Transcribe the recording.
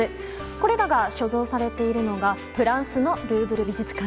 これらが所蔵されているのがフランスのルーヴル美術館。